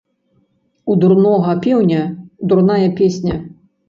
у дурнога пеўня дурная песня